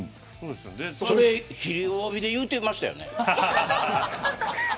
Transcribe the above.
それ、ひるおびで言うてましたよね。